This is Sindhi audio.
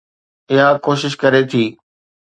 اها ڪوشش ڪري ٿي